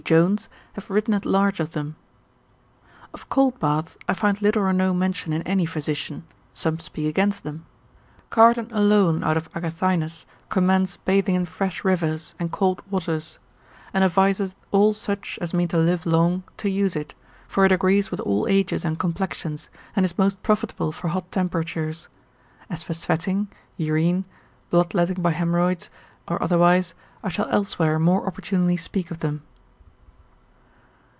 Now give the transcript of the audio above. Jones have written at large of them. Of cold baths I find little or no mention in any physician, some speak against them: Cardan alone out of Agathinus commends bathing in fresh rivers, and cold waters, and adviseth all such as mean to live long to use it, for it agrees with all ages and complexions, and is most profitable for hot temperatures. As for sweating, urine, bloodletting by haemrods, or otherwise, I shall elsewhere more opportunely speak of them.